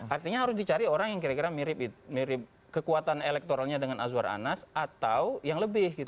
artinya harus dicari orang yang kira kira mirip kekuatan elektoralnya dengan azwar anas atau yang lebih gitu